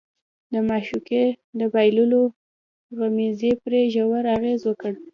د معشوقې د بايللو غمېزې پرې ژور اغېز وکړ.